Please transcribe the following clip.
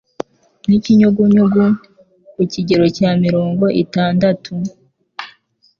nk'ibinyugunyugu ku kigero cya mirongo itandatu